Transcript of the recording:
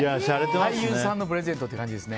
俳優さんのプレゼントって感じですね。